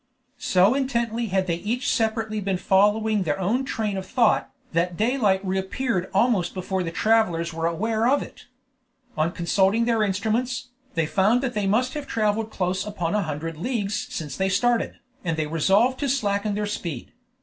So intently had they each separately been following their own train of thought, that daylight reappeared almost before the travelers were aware of it. On consulting their instruments, they found that they must have traveled close upon a hundred leagues since they started, and they resolved to slacken their speed.